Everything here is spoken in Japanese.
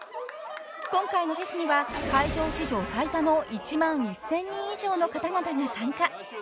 ［今回のフェスには会場史上最多の１万１，０００人以上の方々が参加］